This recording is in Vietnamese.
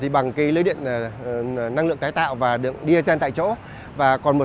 bằng lưới điện năng lượng tái tạo và điên gian tại chỗ